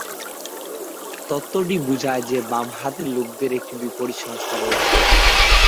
তত্ত্বটি বোঝায় যে বাম-হাতের লোকদের একটি বিপরীত সংস্থা রয়েছে।